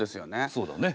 そうだね。